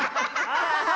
アハハハ！